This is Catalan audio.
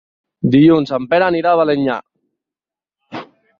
Dilluns en Pere anirà a Balenyà.